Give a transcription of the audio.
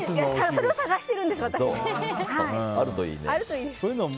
それを探してるんです、私も。